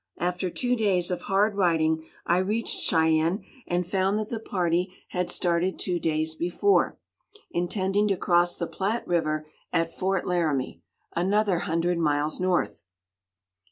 After two days of hard riding I reached Cheyenne, and found that the party had started two days before, intending to cross the Platte River at Fort Laramie, another hundred miles north.